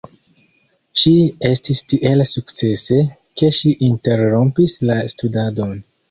Ŝi estis tiel sukcese, ke ŝi interrompis la studadon.